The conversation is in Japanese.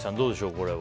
これは。